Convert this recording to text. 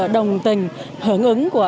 đồng tình hưởng ứng của